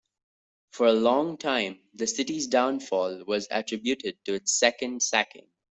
For a long time, the city's downfall was attributed to its second sacking.